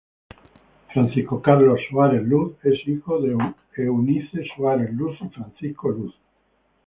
Francisco Carlos Soares Luz es hijo de Eunice Soares Luz y Francisco Luz.